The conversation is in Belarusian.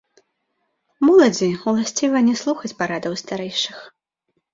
Моладзі ўласціва не слухаць парадаў старэйшых.